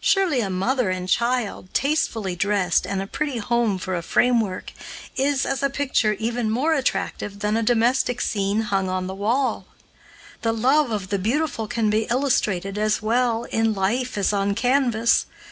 Surely a mother and child, tastefully dressed, and a pretty home for a framework, is, as a picture, even more attractive than a domestic scene hung on the wall. The love of the beautiful can be illustrated as well in life as on canvas.